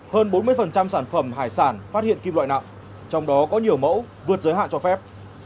hơn bốn mươi sản phẩm hải sản phát hiện kim loại nặng trong đó có nhiều mẫu vượt giới hạn cho phép